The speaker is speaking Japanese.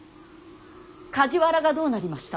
梶原がどうなりました。